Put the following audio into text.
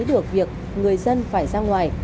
được việc người dân phải ra ngoài